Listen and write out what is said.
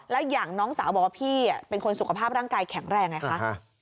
แล้วอย่างน้องสาวบอกว่าพี่เป็นคนสุขภาพร่างกายแข็งแรงไงคะ